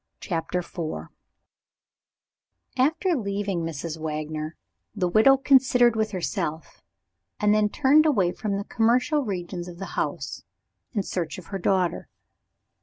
CHAPTER IV After leaving Mrs. Wagner, the widow considered with herself, and then turned away from the commercial regions of the house, in search of her daughter.